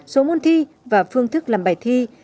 số môn thi và phương thức làm bài thi